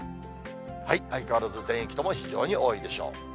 相変わらず全域とも非常に多いでしょう。